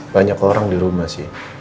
banyak orang di rumah sih